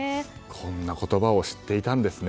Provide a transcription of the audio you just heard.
こんな言葉を知っていたんですね。